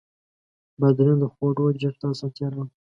بادرنګ د خواړو جذب ته اسانتیا راولي.